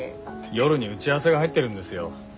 夜に打ち合わせが入ってるんですよ。